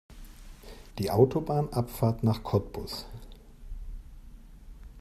Die Autobahnabfahrt nach Cottbus